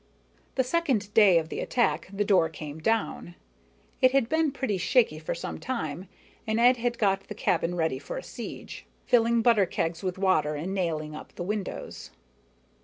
The second day of the attack, the door came down. It had been pretty shaky for some time, and Ed had got the cabin ready for a siege, filling butter kegs with water and nailing up the windows.